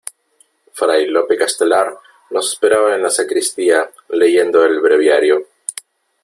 fray Lope Castelar nos esperaba en la sacristía leyendo el breviario .